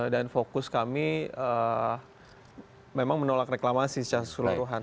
dan fokus kami memang menolak reklamasi secara seluruhan